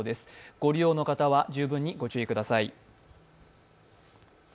ご利用の方は十分にご注意ください。